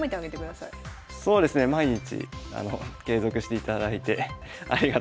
そうですね毎日継続していただいてありがとうございます。